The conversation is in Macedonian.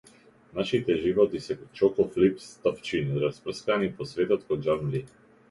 Нашите животи се чоко флипс топчиња, распрскани по светот ко џамлии.